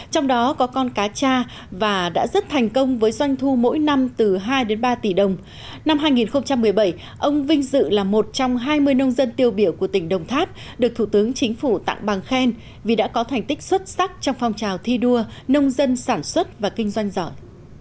trong đó có con cá cha và đã rất thành công với doanh thu mỗi năm từ hai đến ba tỷ đồng năm hai nghìn một mươi bảy ông vinh dự là một trong hai mươi nông dân tiêu biểu của tỉnh đồng tháp được thủ tướng chính phủ tặng bằng khen vì đã có thành tích xuất sắc trong phong trào thi đua nông dân sản xuất và kinh doanh giỏi